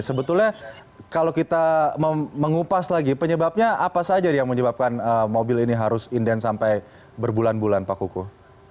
sebetulnya kalau kita mengupas lagi penyebabnya apa saja yang menyebabkan mobil ini harus inden sampai berbulan bulan pak kuku